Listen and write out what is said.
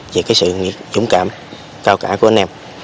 về cái sự dũng cảm cao cả của anh em